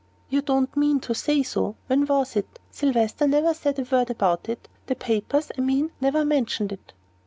"You don't mean to say so? When was it? Sylvester never said a word about it the papers, I mean, never mentioned it."